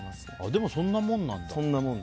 でも、そんなもんなんだ。